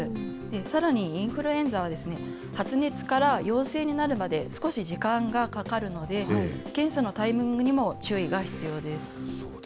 さらにインフルエンザは、発熱から陽性になるまで少し時間がかかるので、検査のタイミングにも注意が必要です。